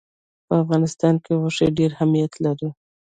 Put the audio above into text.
په افغانستان کې غوښې ډېر اهمیت لري.